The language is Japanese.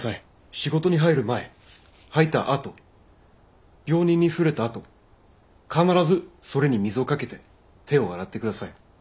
仕事に入る前入ったあと病人に触れたあと必ずそれに水をかけて手を洗って下さい。